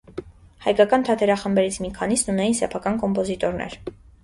Հայկական թատերախմբերից մի քանիսն ունեին սեփական կոմպոզիտորներ։